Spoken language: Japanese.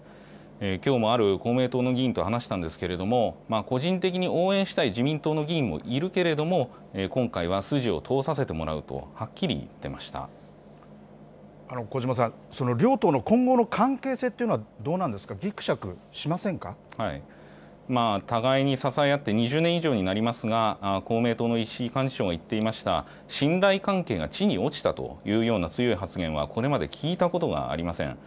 きょうもある公明党の議員と話したんですけれども、個人的に応援したい自民党の議員もいるけれども、今回は筋を通させてもらうと、小嶋さん、両党の今後の関係性というのは、どうなんですか、ぎくしゃくしま互いに支え合って２０年以上になりますが、公明党の石井幹事長も言っていました、信頼関係が地に落ちたというような強い発言は、これまで聞いたことがありません。